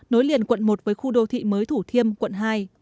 nối liền quận một với khu đô thị mới thủ thiêm quận hai